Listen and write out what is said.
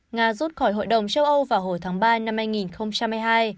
nga rút khỏi hội đồng châu âu vào hồi tháng ba năm hai nghìn hai mươi hai